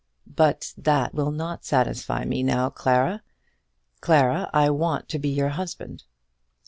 "But that will not satisfy me now, Clara. Clara, I want to be your husband."